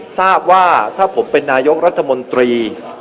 ทราบว่าถ้าผมเป็นนายกรัฐมนตรี